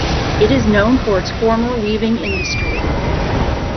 It is known for its former weaving industry.